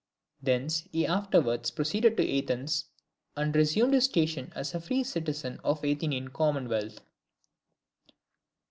Thence he afterwards proceeded to Athens, and resumed his station as a free citizen of the Athenian commonwealth.